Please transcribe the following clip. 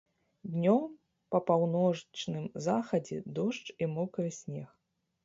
Днём па паўночным захадзе дождж і мокры снег.